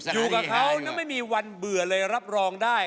อยู่กับเขาแล้วไม่มีวันเบื่อเลยรับรองได้